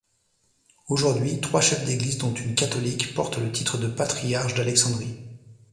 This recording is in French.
Aujourd'hui, trois chefs d'Église, dont une catholique, portent le titre de patriarche d'Alexandrie.